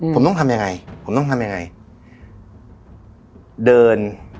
ผมต้องทำยังไงผมต้องทำยังไงเดิน